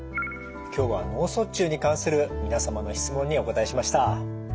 今日は脳卒中に関する皆様の質問にお答えしました。